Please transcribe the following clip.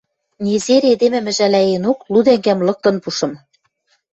Незер эдемӹм ӹжӓлӓенок лу тӓнгӓм лыктын пушым...